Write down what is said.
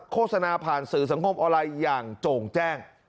โฆษณาผ่านสื่อสังคมออนไลน์อย่างโจ่งแจ้ง